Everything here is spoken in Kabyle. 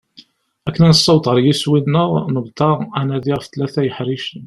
Akken ad nessaweḍ ɣer yiswi-nneɣ nebḍa anadi ɣef tlata yeḥricen.